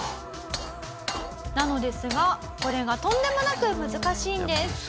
「なのですがこれがとんでもなく難しいんです」